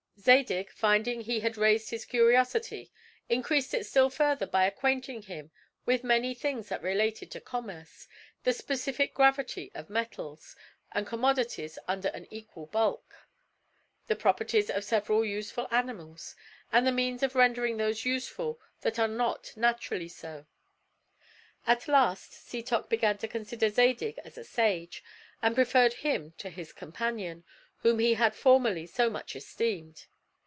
Zadig, finding he had raised his curiosity, increased it still further by acquainting him with many things that related to commerce, the specific gravity of metals, and commodities under an equal bulk; the properties of several useful animals; and the means of rendering those useful that are not naturally so. At last Setoc began to consider Zadig as a sage, and preferred him to his companion, whom he had formerly so much esteemed.